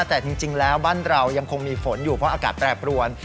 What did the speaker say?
แต่จริงแล้วบ้านเรายังคงมีฝนอยู่เพราะอากาศแปรปรวน